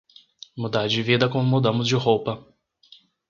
mudar de vida como mudamos de roupa